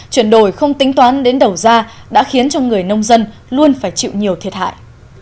chuyển đổi không tính toán đến đầu ra đã khiến cho người nông dân luôn phải chịu nhiều thiệt hại